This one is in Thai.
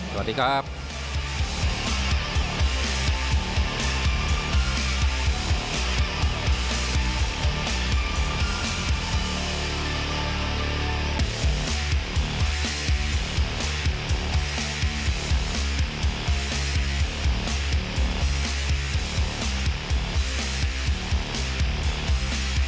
สวัสดีครับ